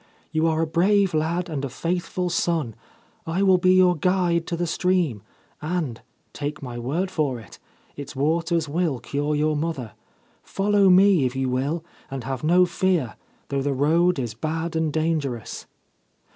You are a brave lad and a faithful son. I will be your guide to the stream, and — take my word for it — its waters will cure your mother. Follow me if you will, and have no fear, though the road is bad and dangerous.'